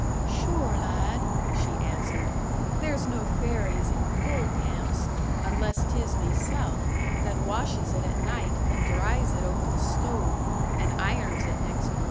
"Sure, lad," she answered. "There's no fairies in coal camps unless 'tis meself, that washes it at night, and dries it over the stove, and irons it next mornin'."